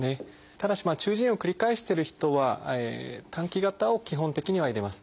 ただし中耳炎を繰り返してる人は短期型を基本的には入れます。